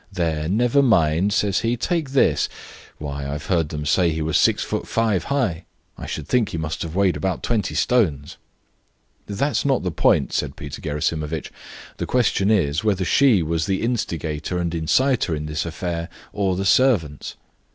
'There, never mind,' says he; 'take this.' Why, I heard them say he was six foot five high; I should think he must have weighed about 20 stones." "That's not the point," said Peter Gerasimovitch. "The question is, whether she was the instigator and inciter in this affair, or the servants?"